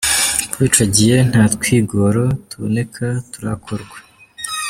Kuva ico gihe nta twigoro tuboneka turakorwa.